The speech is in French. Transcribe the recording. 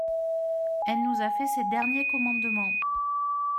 Elle nous a fait ses derniers commandements.